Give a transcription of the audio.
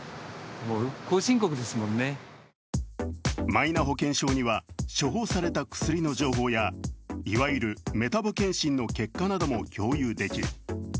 マイナ保険証には、処方された薬の情報やいわゆるメタボ健診の結果なども共有できる。